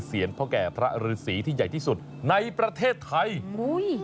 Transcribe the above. เสียนพ่อแก่พระละภาพที่ใหญ่ที่สุดในประเทศไทย